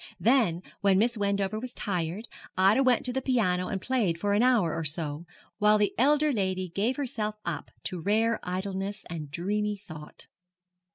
Then, when Miss Wendover was tired, Ida went to the piano and played for an hour or so, while the elder lady gave herself up to rare idleness and dreamy thought.